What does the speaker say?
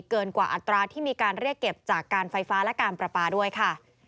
เกินกว่าอัตราที่มีการเรียกเก็บจากการไฟฟ้าและการประปาด้วยค่ะ